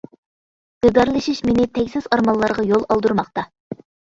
دىدارلىشىش مېنى تەگسىز ئارمانلارغا يول ئالدۇرماقتا.